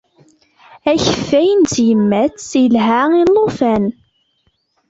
Akeffay n tyemmat yelha i ulufan.